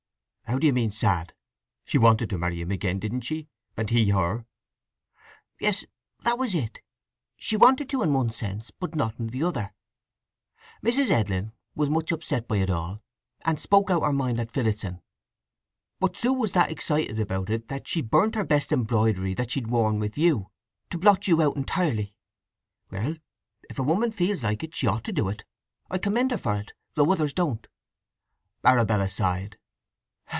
"How do you mean sad? She wanted to marry him again, didn't she? And he her!" "Yes—that was it. She wanted to in one sense, but not in the other. Mrs. Edlin was much upset by it all, and spoke out her mind at Phillotson. But Sue was that excited about it that she burnt her best embroidery that she'd worn with you, to blot you out entirely. Well—if a woman feels like it, she ought to do it. I commend her for it, though others don't." Arabella sighed.